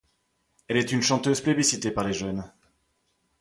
Elle est une chanteuse plébiscitée par les jeunes.